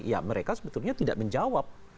ya mereka sebetulnya tidak menjawab